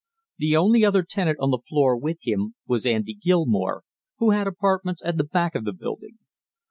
The only other tenant on the floor with him was Andy Gilmore, who had apartments at the back of the building.